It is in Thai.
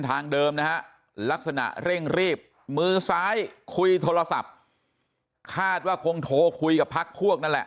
ทางเดิมนะฮะลักษณะเร่งรีบมือซ้ายคุยโทรศัพท์คาดว่าคงโทรคุยกับพักพวกนั่นแหละ